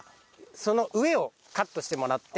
その上をカットしてもらって。